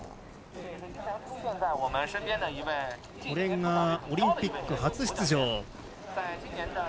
これがオリンピック初出場。